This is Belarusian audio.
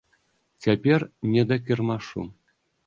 Цяпер не да кірмашу.